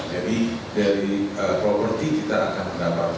jadi dari properti kita akan mendapatkan